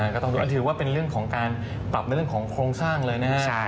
ก็ต้องดูถือว่าเป็นเรื่องของการปรับในเรื่องของโครงสร้างเลยนะครับ